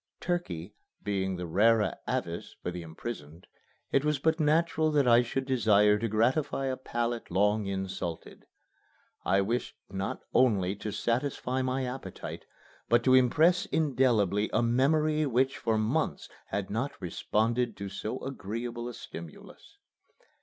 Turkey being the rara avis the imprisoned, it was but natural that I should desire to gratify a palate long insulted. I wished not only to satisfy my appetite, but to impress indelibly a memory which for months had not responded to so agreeable a stimulus.